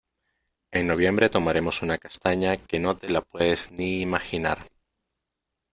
En noviembre tomaremos una castaña que no te la puedes ni imaginar.